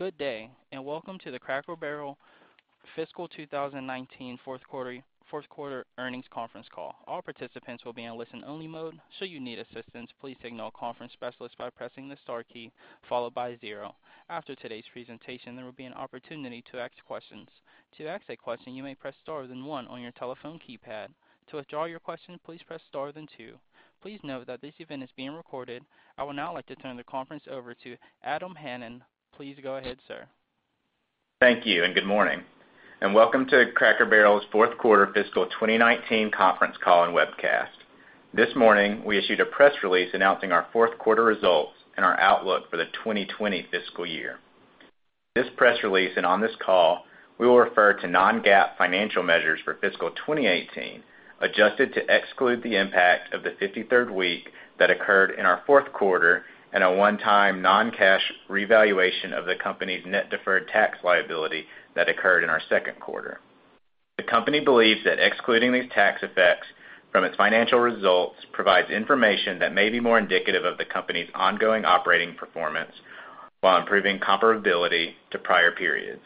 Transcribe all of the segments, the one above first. Good day, welcome to the Cracker Barrel fiscal 2019 fourth quarter earnings conference call. All participants will be in listen only mode, should you need assistance, please signal a conference specialist by pressing the star key followed by zero. After today's presentation, there will be an opportunity to ask questions. To ask a question, you may press star, then one on your telephone keypad. To withdraw your question, please press star, then two. Please note that this event is being recorded. I would now like to turn the conference over to Adam Hanan. Please go ahead, sir. Thank you, and good morning, and welcome to Cracker Barrel's fourth quarter fiscal 2019 conference call and webcast. This morning, we issued a press release announcing our fourth quarter results and our outlook for the 2020 fiscal year. This press release and on this call, we will refer to non-GAAP financial measures for fiscal 2018, adjusted to exclude the impact of the 53rd week that occurred in our fourth quarter and a one-time non-cash revaluation of the company's net deferred tax liability that occurred in our second quarter. The company believes that excluding these tax effects from its financial results provides information that may be more indicative of the company's ongoing operating performance while improving comparability to prior periods.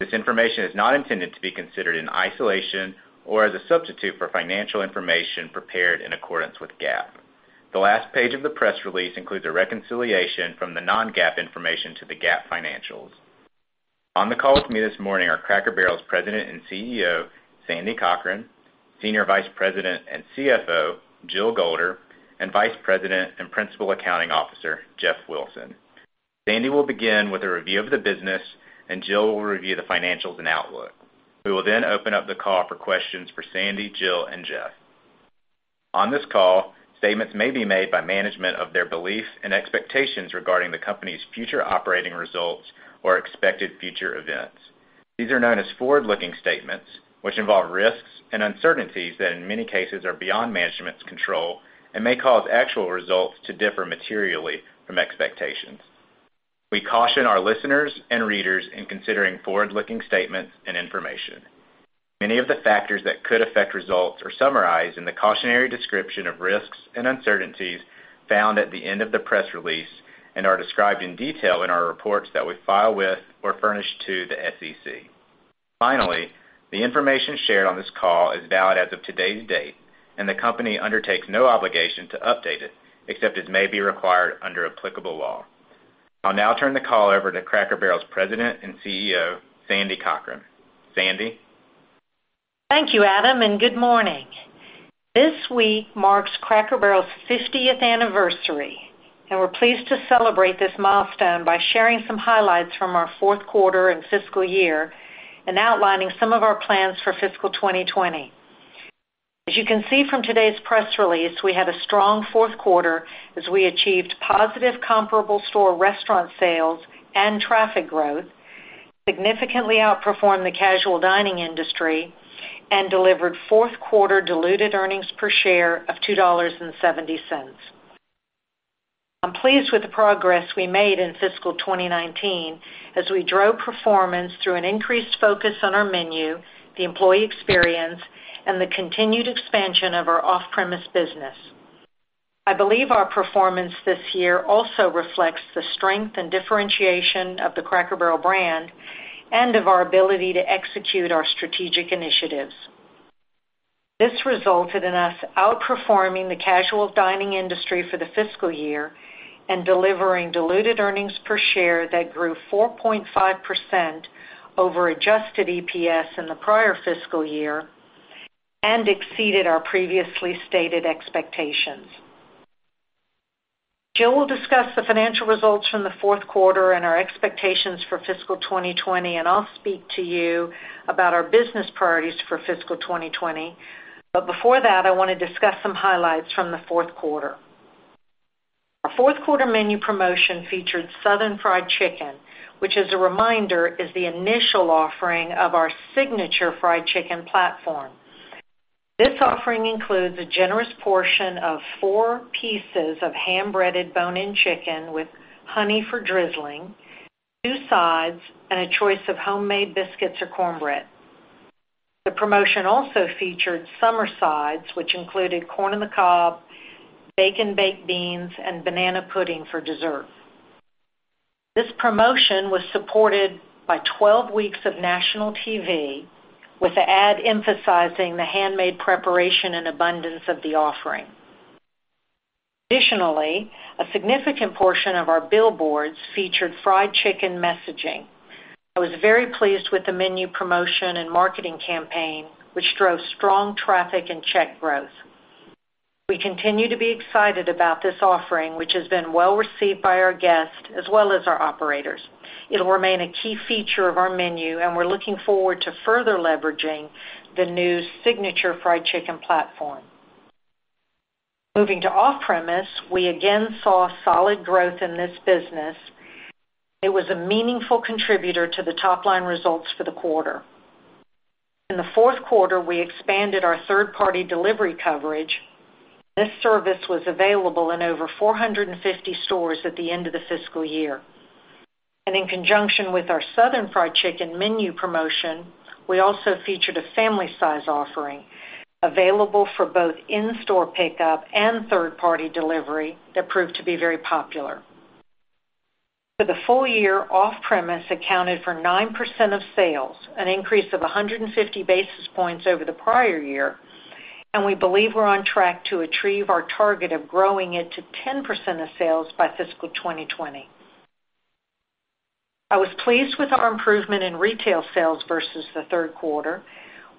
This information is not intended to be considered in isolation or as a substitute for financial information prepared in accordance with GAAP. The last page of the press release includes a reconciliation from the non-GAAP information to the GAAP financials. On the call with me this morning are Cracker Barrel's President and CEO, Sandy Cochran, Senior Vice President and CFO, Jill Golder, and Vice President and Principal Accounting Officer, Jeff Wilson. Sandy will begin with a review of the business, and Jill will review the financials and outlook. We will then open up the call for questions for Sandy, Jill, and Jeff. On this call, statements may be made by management of their belief and expectations regarding the company's future operating results or expected future events. These are known as forward-looking statements, which involve risks and uncertainties that in many cases are beyond management's control and may cause actual results to differ materially from expectations. We caution our listeners and readers in considering forward-looking statements and information. Many of the factors that could affect results are summarized in the cautionary description of risks and uncertainties found at the end of the press release and are described in detail in our reports that we file with or furnish to the SEC. Finally, the information shared on this call is valid as of today's date, and the company undertakes no obligation to update it, except as may be required under applicable law. I'll now turn the call over to Cracker Barrel's President and CEO, Sandy Cochran. Sandy? Thank you, Adam, and good morning. This week marks Cracker Barrel's 50th anniversary, and we're pleased to celebrate this milestone by sharing some highlights from our fourth quarter and fiscal year and outlining some of our plans for fiscal 2020. As you can see from today's press release, we had a strong fourth quarter as we achieved positive comparable store restaurant sales and traffic growth, significantly outperformed the casual dining industry, and delivered fourth quarter diluted earnings per share of $2.70. I'm pleased with the progress we made in fiscal 2019 as we drove performance through an increased focus on our menu, the employee experience, and the continued expansion of our off-premise business. I believe our performance this year also reflects the strength and differentiation of the Cracker Barrel brand and of our ability to execute our strategic initiatives. This resulted in us outperforming the casual dining industry for the fiscal year and delivering diluted earnings per share that grew 4.5% over adjusted EPS in the prior fiscal year and exceeded our previously stated expectations. Jill will discuss the financial results from the fourth quarter and our expectations for fiscal 2020, and I'll speak to you about our business priorities for fiscal 2020. Before that, I want to discuss some highlights from the fourth quarter. Our fourth quarter menu promotion featured Southern Fried Chicken, which as a reminder, is the initial offering of our signature fried chicken platform. This offering includes a generous portion of four pieces of hand-breaded bone-in chicken with honey for drizzling, two sides, and a choice of homemade biscuits or cornbread. The promotion also featured summer sides, which included corn on the cob, bacon baked beans, and banana pudding for dessert. This promotion was supported by 12 weeks of national TV with the ad emphasizing the handmade preparation and abundance of the offering. Additionally, a significant portion of our billboards featured fried chicken messaging. I was very pleased with the menu promotion and marketing campaign, which drove strong traffic and check growth. We continue to be excited about this offering, which has been well received by our guests as well as our operators. It'll remain a key feature of our menu, and we're looking forward to further leveraging the new signature fried chicken platform. Moving to off-premise, we again saw solid growth in this business. It was a meaningful contributor to the top-line results for the quarter. In the fourth quarter, we expanded our third-party delivery coverage. This service was available in over 450 stores at the end of the fiscal year. In conjunction with our Southern Fried Chicken menu promotion, we also featured a family-size offering available for both in-store pickup and third-party delivery that proved to be very popular. For the full year, off-premise accounted for 9% of sales, an increase of 150 basis points over the prior year, and we believe we're on track to achieve our target of growing it to 10% of sales by fiscal 2020. I was pleased with our improvement in retail sales versus the third quarter.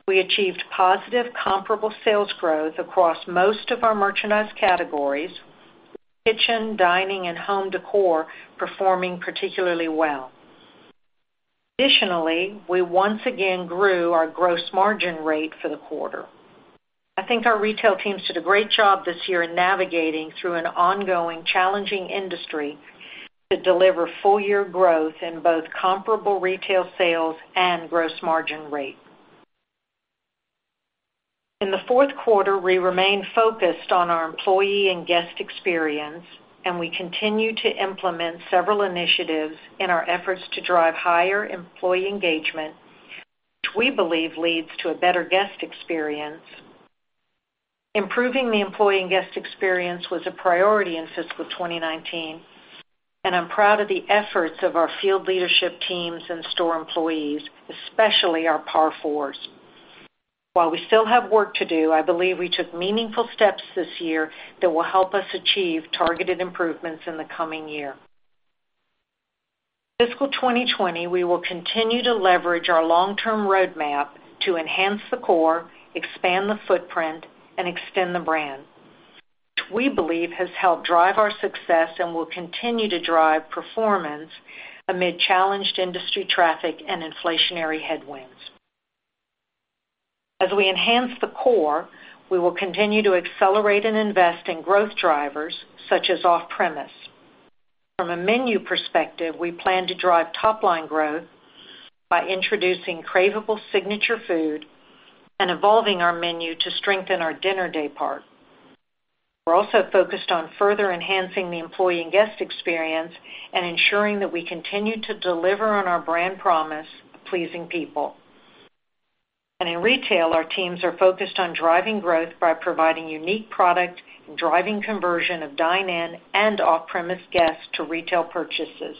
We achieved positive comparable sales growth across most of our merchandise categories, kitchen, dining, and home decor performing particularly well. Additionally, we once again grew our gross margin rate for the quarter. I think our retail teams did a great job this year in navigating through an ongoing challenging industry to deliver full-year growth in both comparable retail sales and gross margin rate. In the fourth quarter, we remained focused on our employee and guest experience. We continued to implement several initiatives in our efforts to drive higher employee engagement, which we believe leads to a better guest experience. Improving the employee and guest experience was a priority in fiscal 2019. I'm proud of the efforts of our field leadership teams and store employees, especially our PARs. While we still have work to do, I believe we took meaningful steps this year that will help us achieve targeted improvements in the coming year. Fiscal 2020, we will continue to leverage our long-term roadmap to enhance the core, expand the footprint, and extend the brand, which we believe has helped drive our success and will continue to drive performance amid challenged industry traffic and inflationary headwinds. As we enhance the core, we will continue to accelerate and invest in growth drivers such as off-premise. From a menu perspective, we plan to drive top-line growth by introducing craveable signature food and evolving our menu to strengthen our dinner daypart. We're also focused on further enhancing the employee and guest experience and ensuring that we continue to deliver on our brand promise of pleasing people. In retail, our teams are focused on driving growth by providing unique product and driving conversion of dine-in and off-premise guests to retail purchases.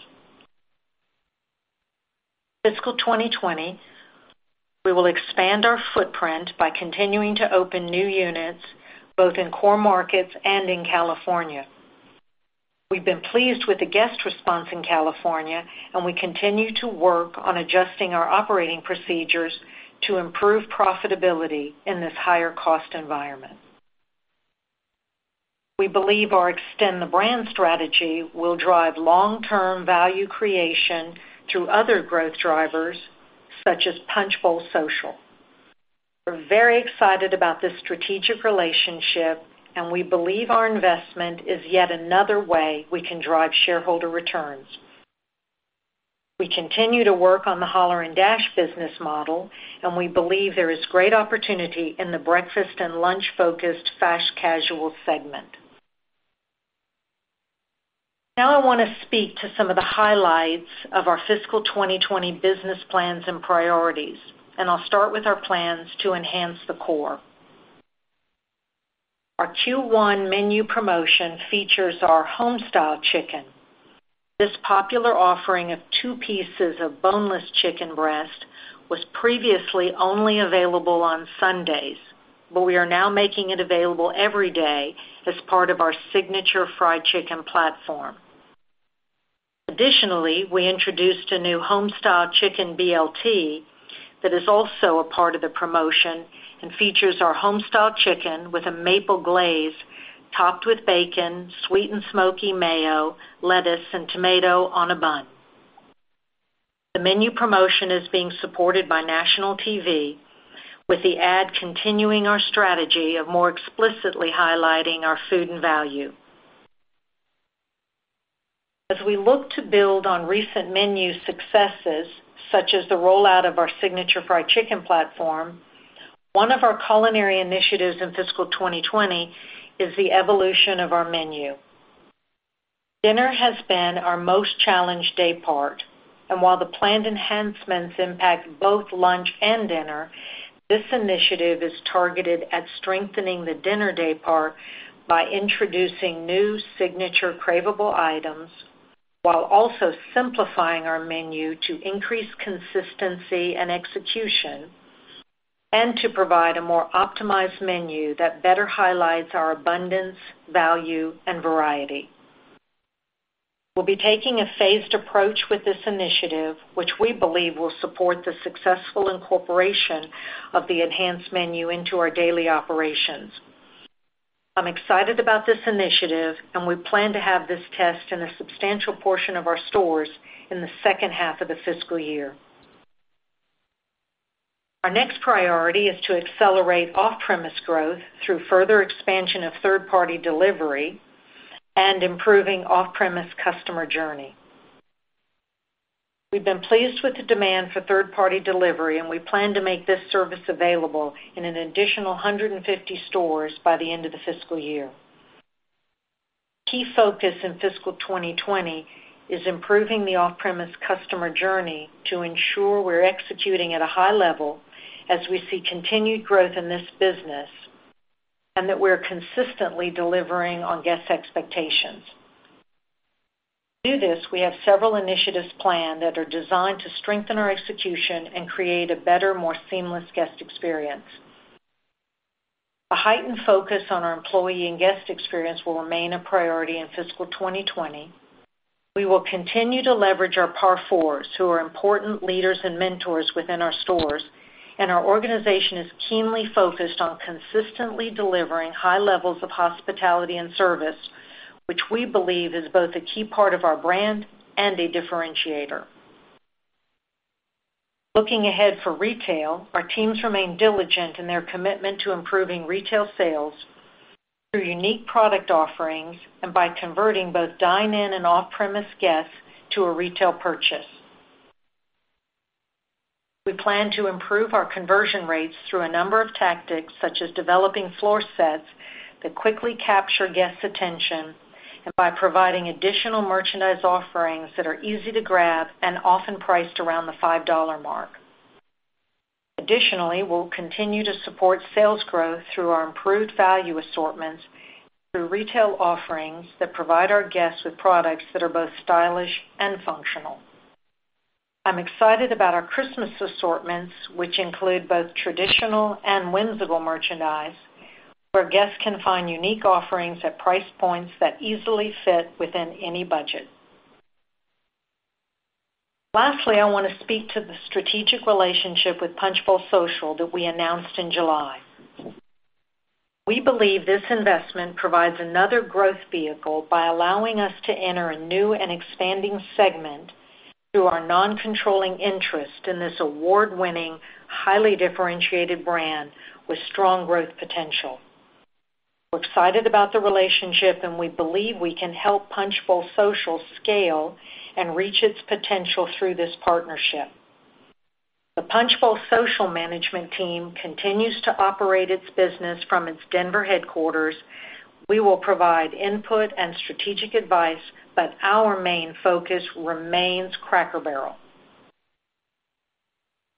Fiscal 2020, we will expand our footprint by continuing to open new units, both in core markets and in California. We've been pleased with the guest response in California, and we continue to work on adjusting our operating procedures to improve profitability in this higher-cost environment. We believe our extend the brand strategy will drive long-term value creation through other growth drivers, such as Punch Bowl Social. We're very excited about this strategic relationship, and we believe our investment is yet another way we can drive shareholder returns. We continue to work on the Holler & Dash business model, and we believe there is great opportunity in the breakfast and lunch-focused fast casual segment. Now I want to speak to some of the highlights of our fiscal 2020 business plans and priorities, and I'll start with our plans to enhance the core. Our Q1 menu promotion features our Homestyle Chicken. This popular offering of two pieces of boneless chicken breast was previously only available on Sundays, but we are now making it available every day as part of our signature fried chicken platform. Additionally, we introduced a new Homestyle Chicken BLT that is also a part of the promotion and features our Homestyle Chicken with a maple glaze, topped with bacon, sweet and smoky mayo, lettuce, and tomato on a bun. The menu promotion is being supported by national TV, with the ad continuing our strategy of more explicitly highlighting our food and value. As we look to build on recent menu successes, such as the rollout of our signature fried chicken platform, one of our culinary initiatives in fiscal 2020 is the evolution of our menu. Dinner has been our most challenged daypart, and while the planned enhancements impact both lunch and dinner, this initiative is targeted at strengthening the dinner daypart by introducing new signature craveable items while also simplifying our menu to increase consistency and execution and to provide a more optimized menu that better highlights our abundance, value, and variety. We'll be taking a phased approach with this initiative, which we believe will support the successful incorporation of the enhanced menu into our daily operations. I'm excited about this initiative, and we plan to have this test in a substantial portion of our stores in the second half of the fiscal year. Our next priority is to accelerate off-premise growth through further expansion of third-party delivery and improving off-premise customer journey. We've been pleased with the demand for third-party delivery, and we plan to make this service available in an additional 150 stores by the end of the fiscal year. Key focus in fiscal 2020 is improving the off-premise customer journey to ensure we're executing at a high level as we see continued growth in this business, and that we're consistently delivering on guest expectations. To do this, we have several initiatives planned that are designed to strengthen our execution and create a better, more seamless guest experience. A heightened focus on our employee and guest experience will remain a priority in fiscal 2020. We will continue to leverage our PARs, who are important leaders and mentors within our stores, and our organization is keenly focused on consistently delivering high levels of hospitality and service, which we believe is both a key part of our brand and a differentiator. Looking ahead for retail, our teams remain diligent in their commitment to improving retail sales through unique product offerings, and by converting both dine-in and off-premise guests to a retail purchase. We plan to improve our conversion rates through a number of tactics, such as developing floor sets that quickly capture guests' attention, and by providing additional merchandise offerings that are easy to grab and often priced around the $5 mark. Additionally, we'll continue to support sales growth through our improved value assortments, through retail offerings that provide our guests with products that are both stylish and functional. I'm excited about our Christmas assortments, which include both traditional and whimsical merchandise, where guests can find unique offerings at price points that easily fit within any budget. Lastly, I want to speak to the strategic relationship with Punch Bowl Social that we announced in July. We believe this investment provides another growth vehicle by allowing us to enter a new and expanding segment through our non-controlling interest in this award-winning, highly differentiated brand with strong growth potential. We're excited about the relationship, and we believe we can help Punch Bowl Social scale and reach its potential through this partnership. The Punch Bowl Social management team continues to operate its business from its Denver headquarters. We will provide input and strategic advice, but our main focus remains Cracker Barrel.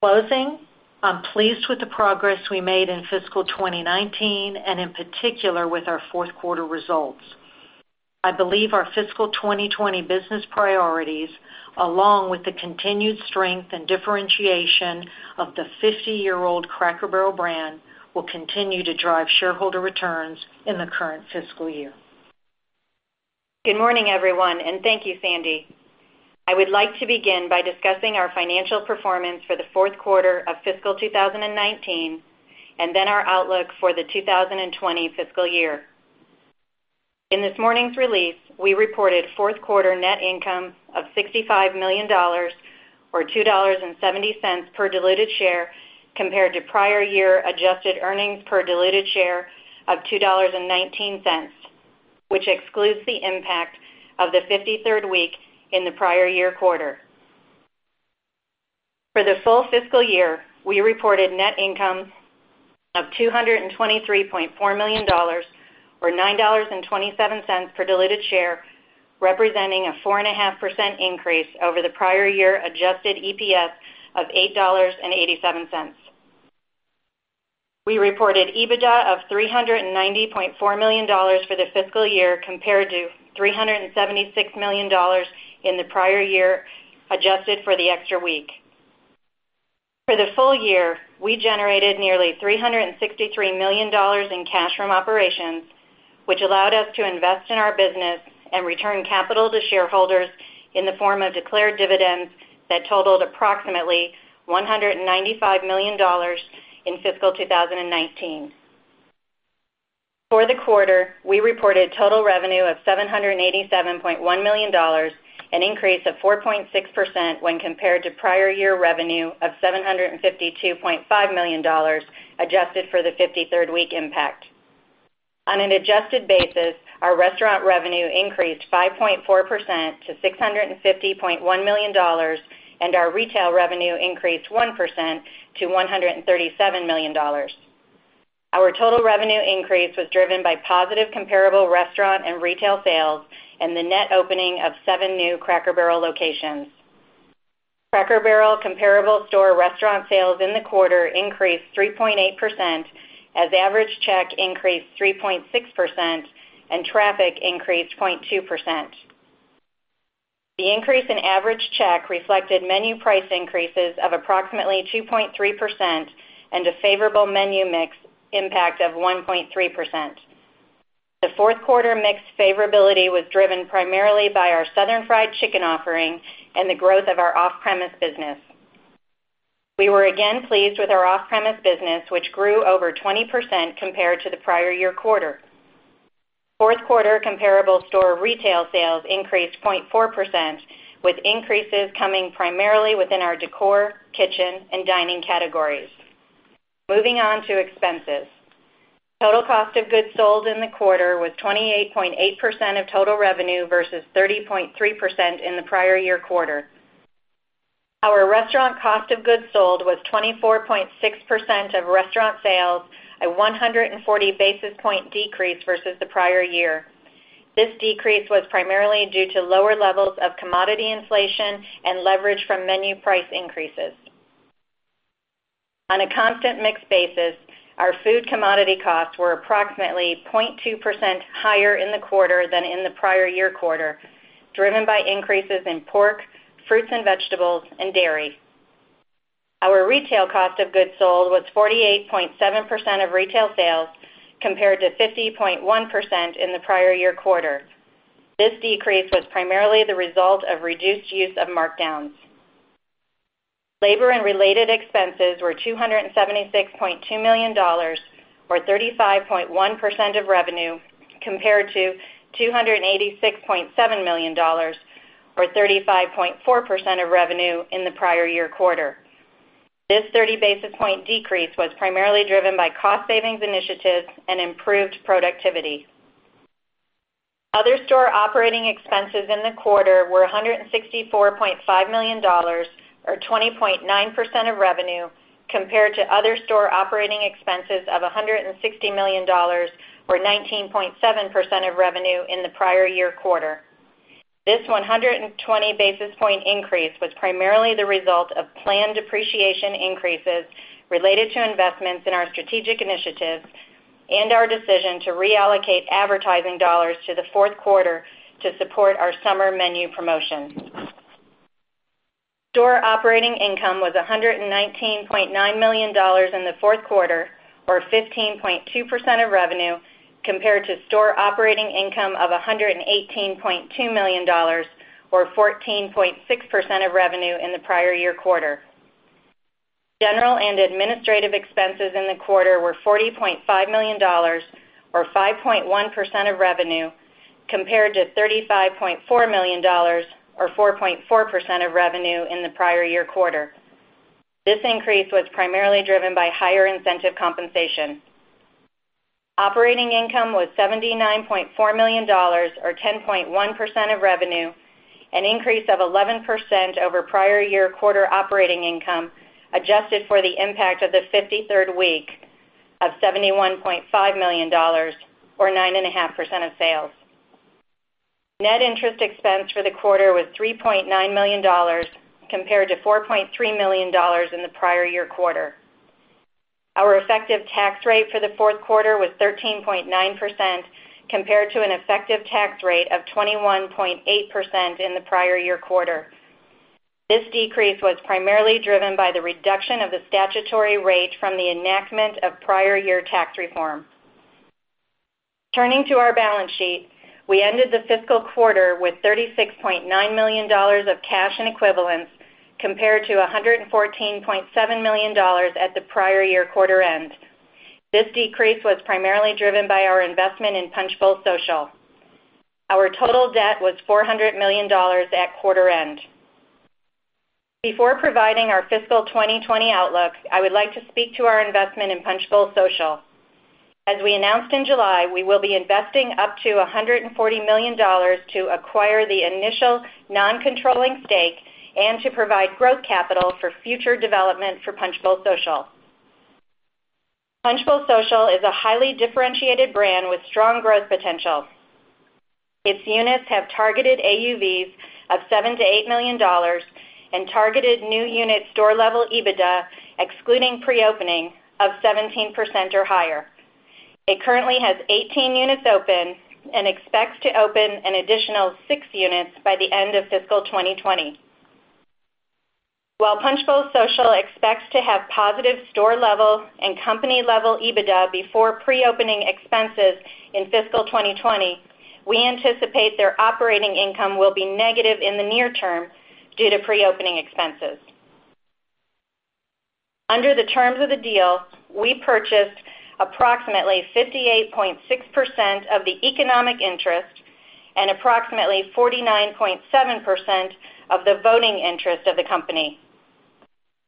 In closing, I'm pleased with the progress we made in fiscal 2019 and in particular with our fourth quarter results. I believe our fiscal 2020 business priorities, along with the continued strength and differentiation of the 50-year-old Cracker Barrel brand, will continue to drive shareholder returns in the current fiscal year. Good morning, everyone. Thank you, Sandy. I would like to begin by discussing our financial performance for the fourth quarter of fiscal 2019, then our outlook for the 2020 fiscal year. In this morning's release, we reported fourth quarter net income of $65 million, or $2.70 per diluted share, compared to prior year adjusted earnings per diluted share of $2.19, which excludes the impact of the 53rd week in the prior year quarter. For the full fiscal year, we reported net income of $223.4 million, or $9.27 per diluted share, representing a 4.5% increase over the prior year adjusted EPS of $8.87. We reported EBITDA of $390.4 million for the fiscal year, compared to $376 million in the prior year, adjusted for the extra week. For the full year, we generated nearly $363 million in cash from operations, which allowed us to invest in our business and return capital to shareholders in the form of declared dividends that totaled approximately $195 million in fiscal 2019. For the quarter, we reported total revenue of $787.1 million, an increase of 4.6% when compared to prior year revenue of $752.5 million, adjusted for the 53rd week impact. On an adjusted basis, our restaurant revenue increased 5.4% to $650.1 million, and our retail revenue increased 1% to $137 million. Our total revenue increase was driven by positive comparable restaurant and retail sales and the net opening of seven new Cracker Barrel locations. Cracker Barrel comparable store restaurant sales in the quarter increased 3.8%, as average check increased 3.6% and traffic increased 0.2%. The increase in average check reflected menu price increases of approximately 2.3% and a favorable menu mix impact of 1.3%. The fourth quarter mix favorability was driven primarily by our Southern Fried Chicken offering and the growth of our off-premise business. We were again pleased with our off-premise business, which grew over 20% compared to the prior year quarter. Fourth quarter comparable store retail sales increased 0.4%, with increases coming primarily within our decor, kitchen, and dining categories. Moving on to expenses. Total cost of goods sold in the quarter was 28.8% of total revenue versus 30.3% in the prior year quarter. Restaurant cost of goods sold was 24.6% of restaurant sales, a 140 basis point decrease versus the prior year. This decrease was primarily due to lower levels of commodity inflation and leverage from menu price increases. On a constant mix basis, our food commodity costs were approximately 0.2% higher in the quarter than in the prior year quarter, driven by increases in pork, fruits and vegetables, and dairy. Our retail cost of goods sold was 48.7% of retail sales, compared to 50.1% in the prior year quarter. This decrease was primarily the result of reduced use of markdowns. Labor and related expenses were $276.2 million, or 35.1% of revenue, compared to $286.7 million, or 35.4% of revenue in the prior year quarter. This 30 basis point decrease was primarily driven by cost savings initiatives and improved productivity. Other store operating expenses in the quarter were $164.5 million or 20.9% of revenue, compared to other store operating expenses of $160 million or 19.7% of revenue in the prior year quarter. This 120 basis points increase was primarily the result of planned depreciation increases related to investments in our strategic initiatives and our decision to reallocate advertising dollars to the fourth quarter to support our summer menu promotions. Store operating income was $119.9 million in the fourth quarter, or 15.2% of revenue, compared to store operating income of $118.2 million or 14.6% of revenue in the prior year quarter. General and administrative expenses in the quarter were $40.5 million or 5.1% of revenue, compared to $35.4 million or 4.4% of revenue in the prior year quarter. This increase was primarily driven by higher incentive compensation. Operating income was $79.4 million or 10.1% of revenue, an increase of 11% over prior year quarter operating income, adjusted for the impact of the 53rd week of $71.5 million or 9.5% of sales. Net interest expense for the quarter was $3.9 million compared to $4.3 million in the prior year quarter. Our effective tax rate for the fourth quarter was 13.9%, compared to an effective tax rate of 21.8% in the prior year quarter. This decrease was primarily driven by the reduction of the statutory rate from the enactment of prior year tax reform. Turning to our balance sheet, we ended the fiscal quarter with $36.9 million of cash and equivalents compared to $114.7 million at the prior year quarter end. This decrease was primarily driven by our investment in Punch Bowl Social. Our total debt was $400 million at quarter end. Before providing our fiscal 2020 outlook, I would like to speak to our investment in Punch Bowl Social. As we announced in July, we will be investing up to $140 million to acquire the initial non-controlling stake and to provide growth capital for future development for Punchbowl Social. Punchbowl Social is a highly differentiated brand with strong growth potential. Its units have targeted AUVs of $7 million-$8 million and targeted new unit store-level EBITDA excluding pre-opening of 17% or higher. It currently has 18 units open and expects to open an additional six units by the end of FY 2020. While Punchbowl Social expects to have positive store-level and company-level EBITDA before pre-opening expenses in FY 2020, we anticipate their operating income will be negative in the near term due to pre-opening expenses. Under the terms of the deal, we purchased approximately 58.6% of the economic interest and approximately 49.7% of the voting interest of the company.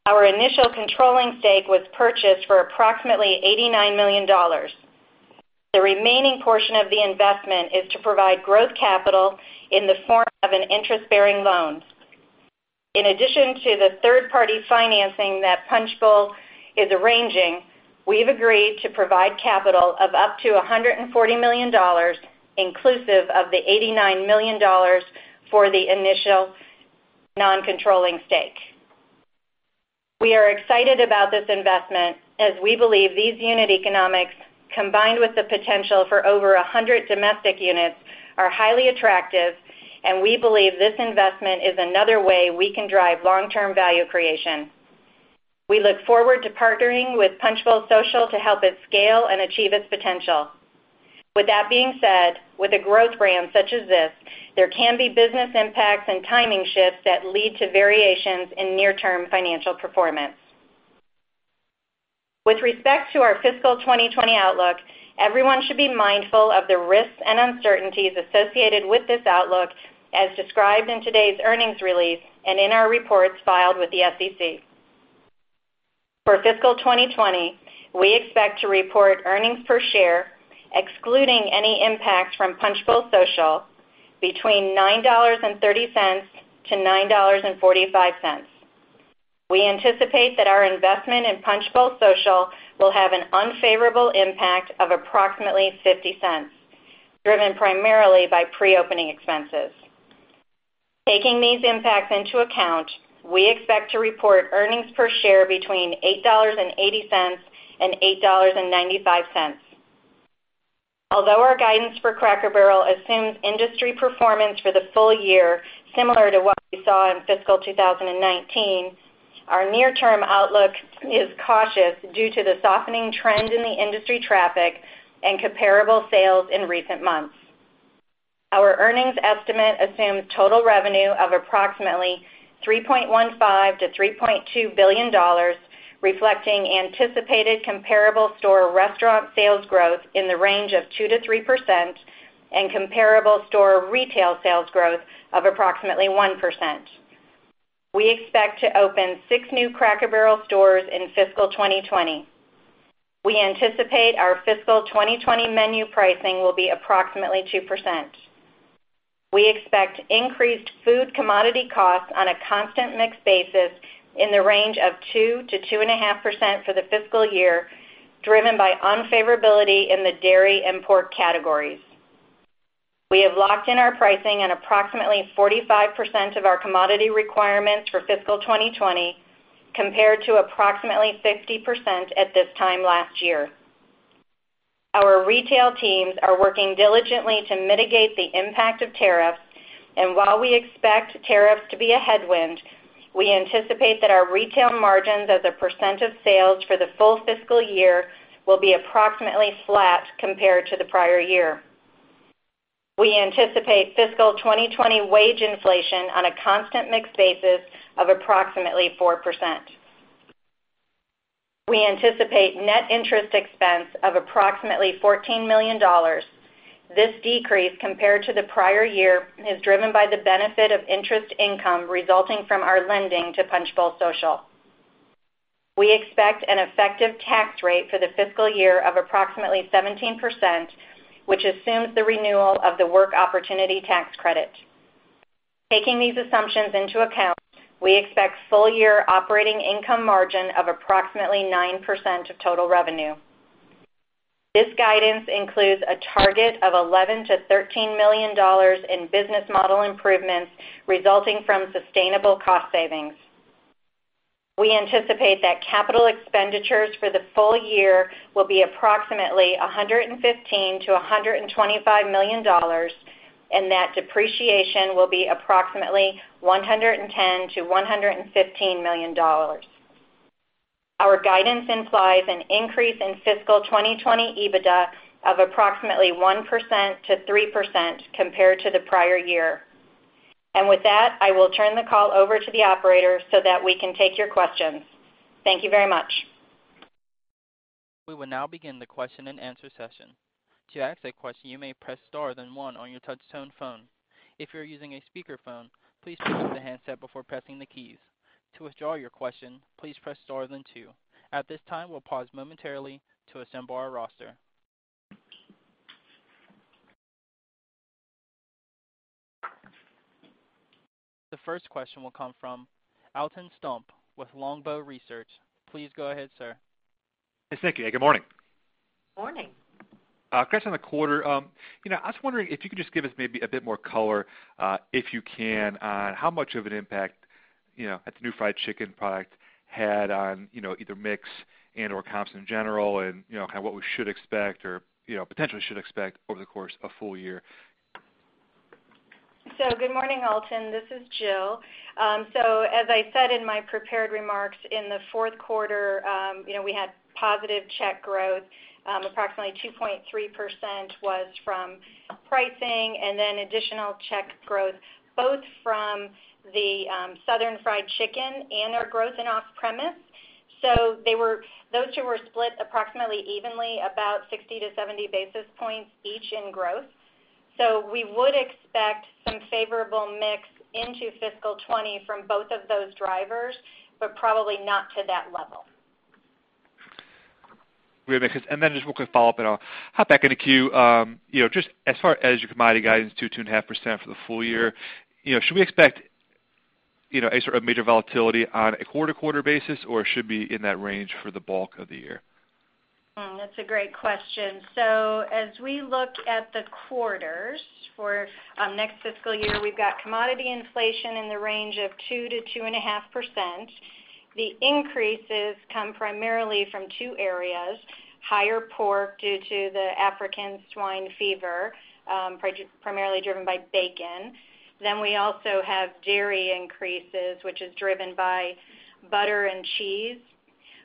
Our initial controlling stake was purchased for approximately $89 million. The remaining portion of the investment is to provide growth capital in the form of an interest-bearing loan. In addition to the third-party financing that Punchbowl is arranging, we've agreed to provide capital of up to $140 million inclusive of the $89 million for the initial non-controlling stake. We are excited about this investment as we believe these unit economics, combined with the potential for over 100 domestic units, are highly attractive, and we believe this investment is another way we can drive long-term value creation. We look forward to partnering with Punch Bowl Social to help it scale and achieve its potential. With that being said, with a growth brand such as this, there can be business impacts and timing shifts that lead to variations in near-term financial performance. With respect to our fiscal 2020 outlook, everyone should be mindful of the risks and uncertainties associated with this outlook, as described in today's earnings release and in our reports filed with the SEC. For fiscal 2020, we expect to report earnings per share, excluding any impact from Punchbowl Social, between $9.30-$9.45. We anticipate that our investment in Punchbowl Social will have an unfavorable impact of approximately $0.50, driven primarily by pre-opening expenses. Taking these impacts into account, we expect to report earnings per share between $8.80 and $8.95. Although our guidance for Cracker Barrel assumes industry performance for the full year similar to what we saw in fiscal 2019, our near-term outlook is cautious due to the softening trend in the industry traffic and comparable sales in recent months. Our earnings estimate assumes total revenue of approximately $3.15 billion-$3.2 billion, reflecting anticipated comparable store restaurant sales growth in the range of 2%-3% and comparable store retail sales growth of approximately 1%. We expect to open six new Cracker Barrel stores in fiscal 2020. We anticipate our fiscal 2020 menu pricing will be approximately 2%. We expect increased food commodity costs on a constant mix basis in the range of 2%-2.5% for the fiscal year, driven by unfavorability in the dairy and pork categories. We have locked in our pricing on approximately 45% of our commodity requirements for fiscal 2020, compared to approximately 50% at this time last year. While we expect tariffs to be a headwind, we anticipate that our retail margins as a percent of sales for the full fiscal year will be approximately flat compared to the prior year. We anticipate fiscal 2020 wage inflation on a constant mix basis of approximately 4%. We anticipate net interest expense of approximately $14 million. This decrease compared to the prior year is driven by the benefit of interest income resulting from our lending to Punch Bowl Social. We expect an effective tax rate for the fiscal year of approximately 17%, which assumes the renewal of the Work Opportunity Tax Credit. Taking these assumptions into account, we expect full-year operating income margin of approximately 9% of total revenue. This guidance includes a target of $11 million-$13 million in business model improvements resulting from sustainable cost savings. We anticipate that capital expenditures for the full year will be approximately $115 million-$125 million and that depreciation will be approximately $110 million-$115 million. Our guidance implies an increase in fiscal 2020 EBITDA of approximately 1%-3% compared to the prior year. With that, I will turn the call over to the operator so that we can take your questions. Thank you very much. We will now begin the question-and-answer session. To ask a question, you may press star, then one on your touchtone phone. If you are using a speakerphone, please press the handset before pressing the keys. To withdraw your question, please press star, then two. At this time, we'll pause momentarily to assemble our roster. The first question will come from Alton Stump with Longbow Research. Please go ahead, sir. Yes, thank you. Good morning. Morning. A question on the quarter. I was wondering if you could just give us maybe a bit more color, if you can, on how much of an impact the new fried chicken product had on either mix and/or comps in general and what we should expect or potentially should expect over the course of a full year. Good morning, Alton. This is Jill. As I said in my prepared remarks, in the fourth quarter, we had positive check growth. Approximately 2.3% was from pricing and then additional check growth, both from the Southern Fried Chicken and our growth in off-premise. Those two were split approximately evenly, about 60-70 basis points each in growth. We would expect some favorable mix into fiscal 2020 from both of those drivers, but probably not to that level. Great. Just one quick follow-up and I'll hop back in the queue. Just as far as your commodity guidance, 2%-2.5% for the full year, should we expect a major volatility on a quarter-to-quarter basis, or it should be in that range for the bulk of the year? That's a great question. As we look at the quarters for next fiscal year, we've got commodity inflation in the range of 2% to 2.5%. The increases come primarily from two areas, higher pork due to the African swine fever, primarily driven by bacon. We also have dairy increases, which is driven by butter and cheese.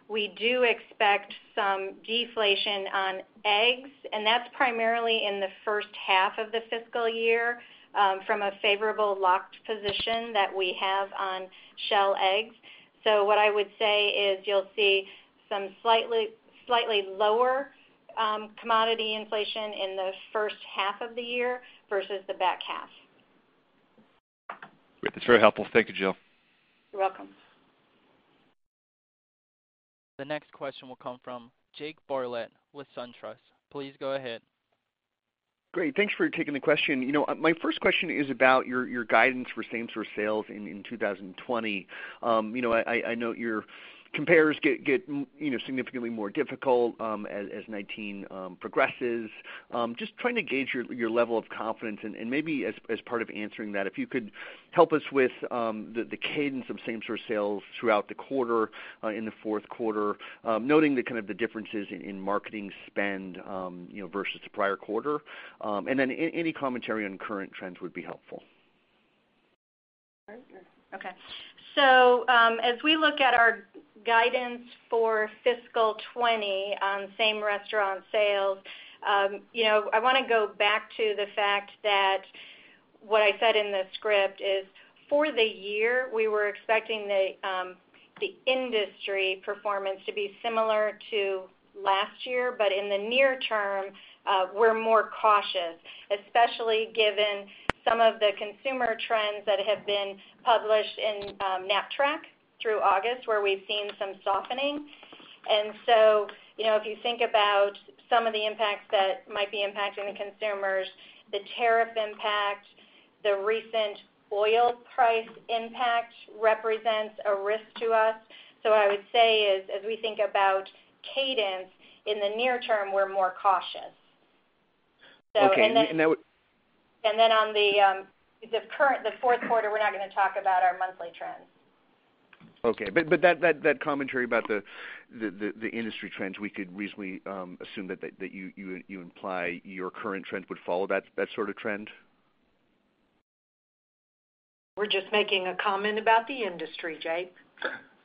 We do expect some deflation on eggs, and that's primarily in the first half of the fiscal year from a favorable locked position that we have on shell eggs. What I would say is you'll see some slightly lower commodity inflation in the first half of the year versus the back half. Great. That's very helpful. Thank you, Jill. You're welcome. The next question will come from Jake Bartlett with SunTrust. Please go ahead. Great. Thanks for taking the question. My first question is about your guidance for same-store sales in 2020. I know your compares get significantly more difficult as 2019 progresses. Just trying to gauge your level of confidence and maybe as part of answering that, if you could help us with the cadence of same-store sales throughout the quarter, in the fourth quarter, noting the differences in marketing spend versus the prior quarter. Any commentary on current trends would be helpful. Okay. As we look at our guidance for fiscal 2020 same-restaurant sales, I want to go back to the fact that what I said in the script is for the year, we were expecting the industry performance to be similar to last year. In the near term, we're more cautious, especially given some of the consumer trends that have been published in Knapp-Track through August, where we've seen some softening. If you think about some of the impacts that might be impacting the consumers, the tariff impact, the recent oil price impact represents a risk to us. I would say is, as we think about cadence, in the near term, we're more cautious. Okay. That would. On the fourth quarter, we're not going to talk about our monthly trends. Okay. That commentary about the industry trends, we could reasonably assume that you imply your current trend would follow that sort of trend? We're just making a comment about the industry, Jake.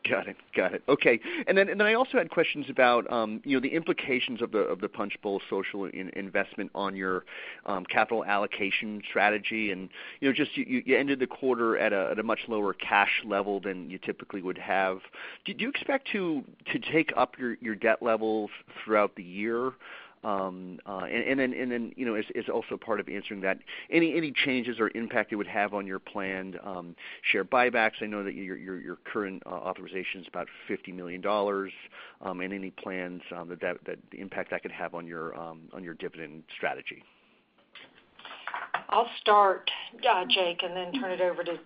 Got it. Okay. I also had questions about the implications of the Punch Bowl Social investment on your capital allocation strategy, and just you ended the quarter at a much lower cash level than you typically would have. Did you expect to take up your debt levels throughout the year? As also part of answering that, any changes or impact it would have on your planned share buybacks? I know that your current authorization is about $50 million, and any plans on the impact that could have on your dividend strategy? I'll start, Jake, and then turn it over to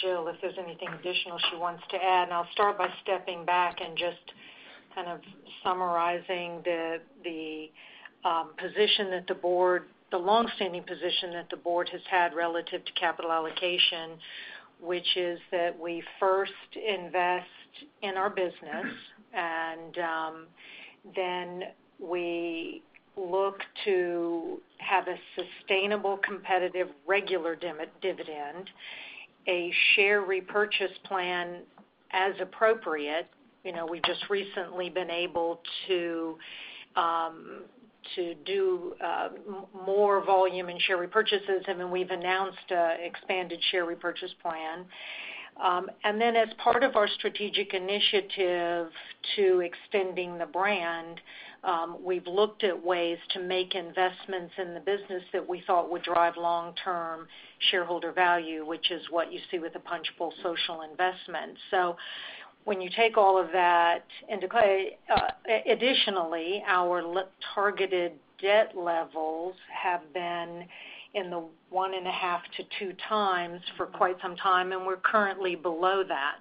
Jill if there's anything additional she wants to add, and I'll start by stepping back and just summarizing the longstanding position that the board has had relative to capital allocation, which is that we first invest in our business, and then we look to have a sustainable, competitive, regular dividend, a share repurchase plan as appropriate. We've just recently been able to do more volume in share repurchases, and then we've announced an expanded share repurchase plan. As part of our strategic initiative to extending the brand, we've looked at ways to make investments in the business that we thought would drive long-term shareholder value, which is what you see with the Punch Bowl Social investment. When you take all of that into play, additionally, our targeted debt levels have been in the 1.5 to 2 times for quite some time, and we're currently below that.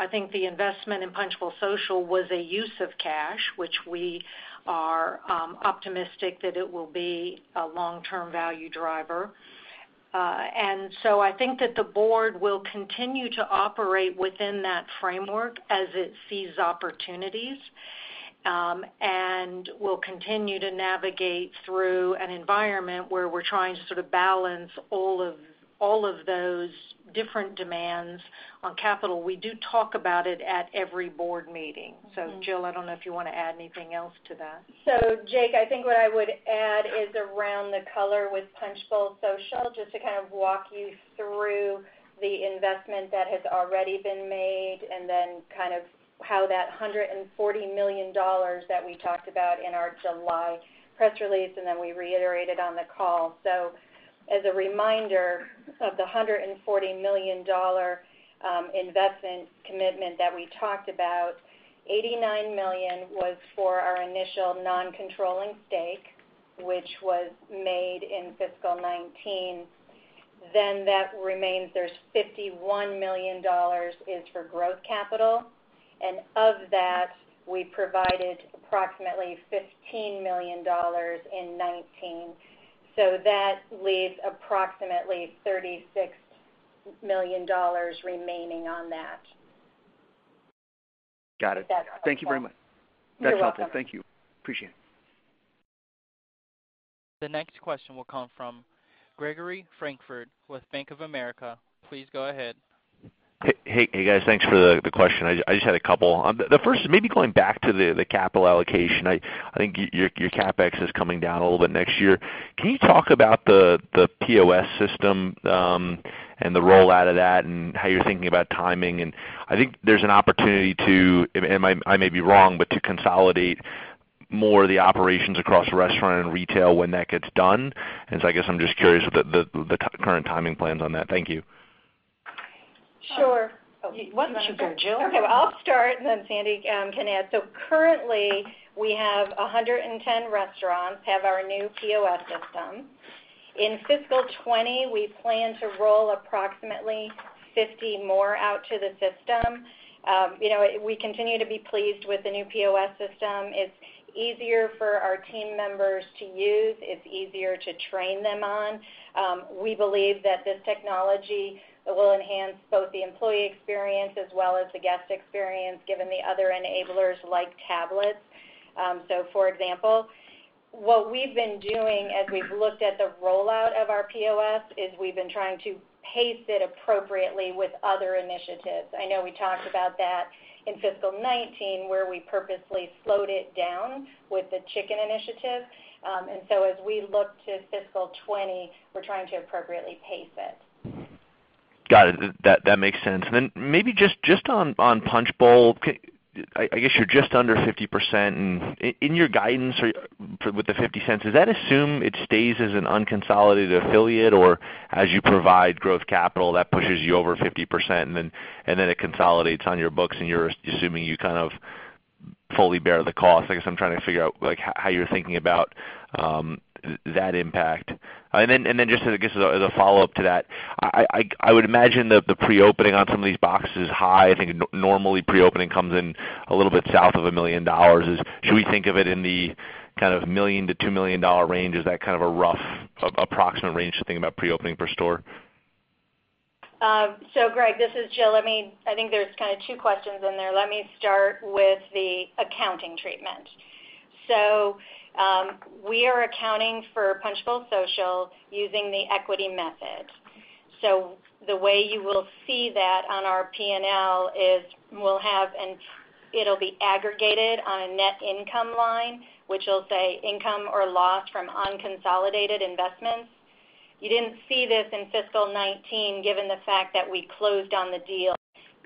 I think the investment in Punch Bowl Social was a use of cash, which we are optimistic that it will be a long-term value driver. I think that the board will continue to operate within that framework as it sees opportunities, and we'll continue to navigate through an environment where we're trying to sort of balance all of those different demands on capital. We do talk about it at every board meeting. Jill, I don't know if you want to add anything else to that. Jake, I think what I would add is around the color with Punch Bowl Social, just to kind of walk you through the investment that has already been made and then how that $140 million that we talked about in our July press release, and then we reiterated on the call. As a reminder of the $140 million investment commitment that we talked about, $89 million was for our initial non-controlling stake, which was made in fiscal 2019. That remains. There's $51 million is for growth capital, and of that, we provided approximately $15 million in 2019. That leaves approximately $36 million remaining on that. Got it. That's what that- Thank you very much. You're welcome. That's helpful. Thank you. Appreciate it. The next question will come from Gregory Francfort with Bank of America. Please go ahead. Hey, guys. Thanks for the question. I just had a couple. The first, maybe going back to the capital allocation. I think your CapEx is coming down a little bit next year. Can you talk about the POS system, the rollout of that, and how you're thinking about timing? I think there's an opportunity to, and I may be wrong, but to consolidate more of the operations across restaurant and retail when that gets done. I guess I'm just curious about the current timing plans on that. Thank you. Sure. Why don't you go, Jill? Okay, well, I'll start. Sandy can add. Currently, we have 110 restaurants have our new POS system. In fiscal 2020, we plan to roll approximately 50 more out to the system. We continue to be pleased with the new POS system. It's easier for our team members to use, it's easier to train them on. We believe that this technology will enhance both the employee experience as well as the guest experience, given the other enablers like tablets. For example, what we've been doing as we've looked at the rollout of our POS is we've been trying to pace it appropriately with other initiatives. I know we talked about that in fiscal 2019, where we purposely slowed it down with the Chicken Initiative. As we look to fiscal 2020, we're trying to appropriately pace it. Got it. That makes sense. Then maybe just on Punchbowl. I guess you're just under 50%, and in your guidance for with the $0.50, does that assume it stays as an unconsolidated affiliate, or as you provide growth capital, that pushes you over 50% and then it consolidates on your books and you're assuming you fully bear the cost? I guess I'm trying to figure out how you're thinking about that impact. Then just as, I guess, as a follow-up to that, I would imagine that the pre-opening on some of these boxes is high. I think normally pre-opening comes in a little bit south of $1 million. Should we think of it in the kind of $1 million-$2 million range? Is that kind of a rough approximate range to think about pre-opening per store? Greg, this is Jill. I think there's two questions in there. Let me start with the accounting treatment. We are accounting for Punch Bowl Social using the equity method. The way you will see that on our P&L is it'll be aggregated on a net income line, which will say income or loss from unconsolidated investments. You didn't see this in fiscal 2019, given the fact that we closed on the deal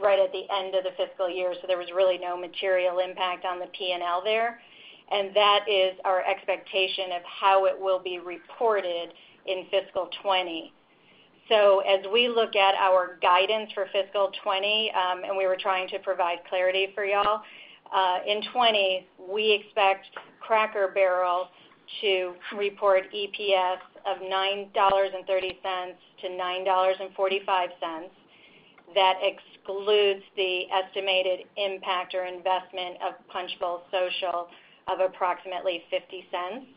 right at the end of the fiscal year, so there was really no material impact on the P&L there. That is our expectation of how it will be reported in fiscal 2020. As we look at our guidance for fiscal 2020, and we were trying to provide clarity for you all. In 2020, we expect Cracker Barrel to report EPS of $9.30-$9.45. That excludes the estimated impact or investment of Punch Bowl Social of approximately $0.50.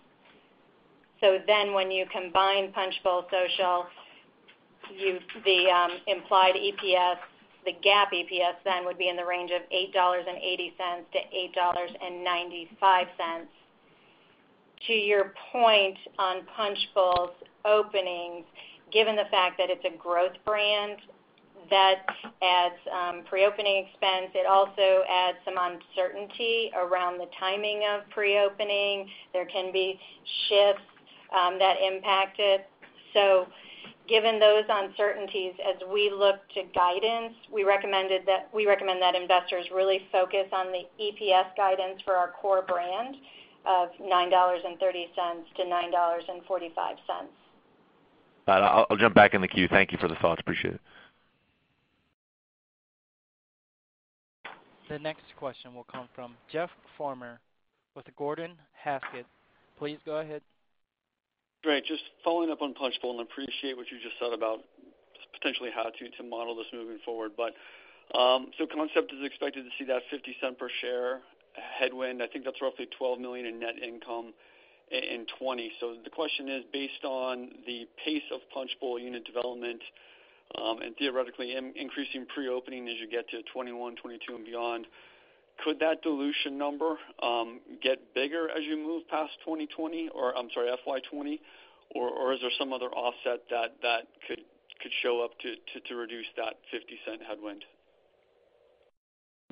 When you combine Punch Bowl Social, the implied EPS, the GAAP EPS then would be in the range of $8.80 to $8.95. To your point on Punch Bowl's openings, given the fact that it's a growth brand, that adds pre-opening expense. It also adds some uncertainty around the timing of pre-opening. There can be shifts that impact it. Given those uncertainties, as we look to guidance, we recommend that investors really focus on the EPS guidance for our core brand of $9.30 to $9.45. Got it. I'll jump back in the queue. Thank you for the thoughts. Appreciate it. The next question will come from Jeff Farmer with Gordon Haskett. Please go ahead. Great. Just following up on Punchbowl, and I appreciate what you just said about potentially how to model this moving forward. Concept is expected to see that $0.50 per share headwind. I think that's roughly $12 million in net income in 2020. The question is, based on the pace of Punchbowl unit development, and theoretically increasing pre-opening as you get to 2021, 2022, and beyond, could that dilution number get bigger as you move past FY 2020? Is there some other offset that could show up to reduce that $0.50 headwind?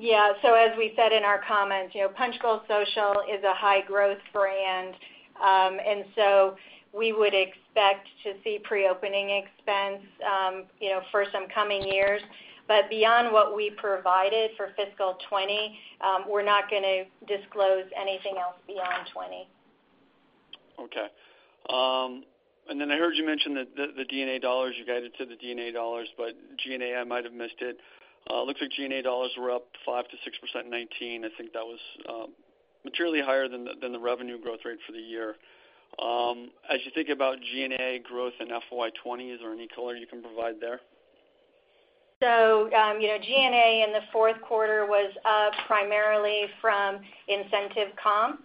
As we said in our comments, Punch Bowl Social is a high-growth brand. We would expect to see pre-opening expense for some coming years. Beyond what we provided for fiscal 2020, we're not going to disclose anything else beyond 2020. Okay. I heard you mention that the D&A dollars, you guided to the D&A dollars, but G&A, I might have missed it. Looks like G&A dollars were up 5% to 6% in 2019. I think that was materially higher than the revenue growth rate for the year. As you think about G&A growth in FY 2020, is there any color you can provide there? G&A in the fourth quarter was up primarily from incentive comp.